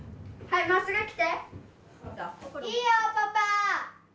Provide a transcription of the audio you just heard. いいよパパ！